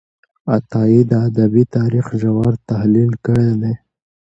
عطايي د ادبي تاریخ ژور تحلیل کړی دی.